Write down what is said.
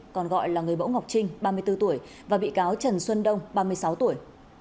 còn gọi là người bỗ ngọc trinh ba mươi bốn tuổi và bị cáo trần xuân đông ba mươi sáu tuổi